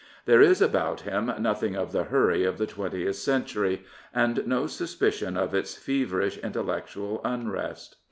There is about him nothing of the hurry of the Twentieth Century, and no suspicion of its feverish intellectual unrest.